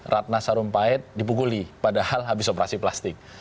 ratna sarumpait dipukuli padahal habis operasi plastik